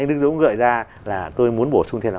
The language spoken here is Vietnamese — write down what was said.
đức dũng gợi ra là tôi muốn bổ sung thêm là